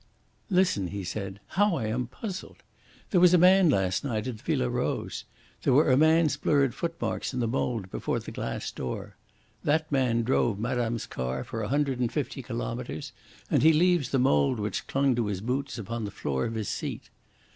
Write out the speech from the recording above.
"Listen," he said, "how I am puzzled! There was a man last night at the Villa Rose. There were a man's blurred footmarks in the mould before the glass door. That man drove madame's car for a hundred and fifty kilometres, and he leaves the mould which clung to his boots upon the floor of his seat.